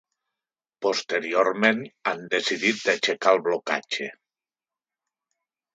Posteriorment han decidit d’aixecar el blocatge.